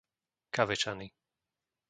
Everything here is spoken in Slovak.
Kavečany